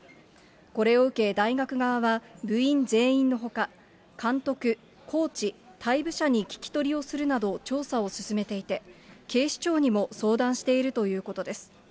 これを受け、大学側は部員全員のほか、監督、コーチ、退部者に聞き取りをするなど調査を進めていて、警視庁にも相談しているということです。